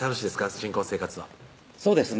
新婚生活はそうですね